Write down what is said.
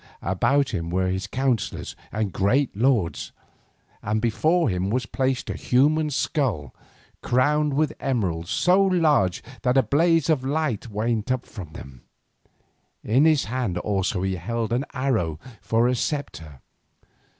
About him were his counsellors and great lords, and before him was placed a human skull crowned with emeralds so large that a blaze of light went up from them. In his hand also he held an arrow for a sceptre.